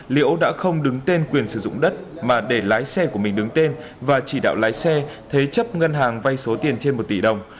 liễu đã không đứng tên quyền sử dụng đất mà để lái xe của mình đứng tên và chỉ đạo lái xe thế chấp ngân hàng vay số tiền trên một tỷ đồng